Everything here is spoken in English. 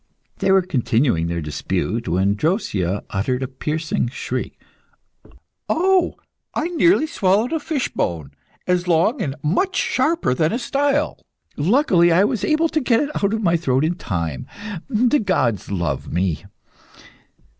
They were continuing their dispute, when Drosea uttered a piercing shriek. "Oh! I nearly swallowed a fish bone, as long and much sharper than a style. Luckily, I was able to get it out of my throat in time! The gods love me!"